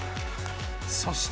そして。